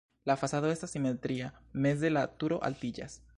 La fasado estas simetria, meze la turo altiĝas.